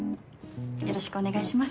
よろしくお願いします。